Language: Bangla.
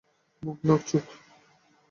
মুখ, নাক, চোখ।